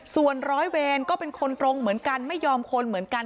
ส่วนร้อยเวรก็เป็นคนตรงเหมือนกันไม่ยอมคนเหมือนกัน